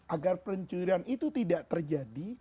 agar pencurian itu tidak terjadi